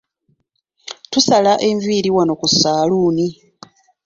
Tusala enviiri wanno ku ssaaluuni.